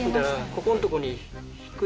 ここんとこを。